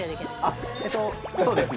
あっそうですね。